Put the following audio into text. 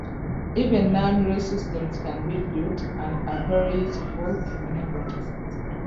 Even non-real systems can be built and are very useful in many contexts.